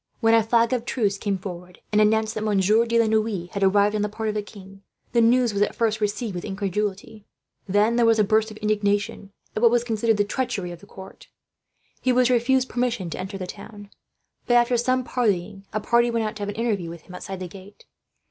When a flag of truce came forward, and announced that Monsieur de la Noue had arrived on the part of the king, the news was at first received with incredulity. Then there was a burst of indignation, at what was considered the treachery of the count. He was refused permission to enter the town but, after some parleying, a party went out to have an interview with him outside the gate.